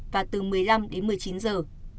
và từ một mươi năm đến một mươi chín giờ